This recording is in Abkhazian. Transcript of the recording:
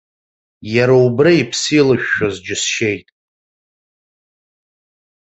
Иара убра иԥсы илышәшәоз џьысшьеит.